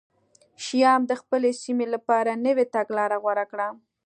شیام د خپلې سیمې لپاره نوې تګلاره غوره کړه